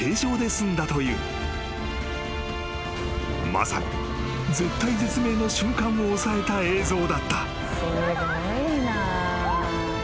［まさに絶体絶命の瞬間を押さえた映像だった］